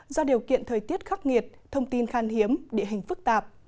do điều kiện thời tiết khắc nghiệt thông tin khan hiếm địa hình phức tạp